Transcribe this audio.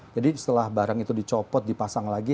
jadi setelah barang itu dicopot dipasang lagi